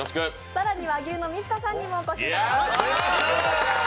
更に和牛の水田さんにもお越しいただきました。